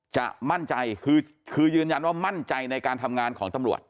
จะมั่นใจคือยืนยันว่ามั่นใจในการทำงานของตำรวจ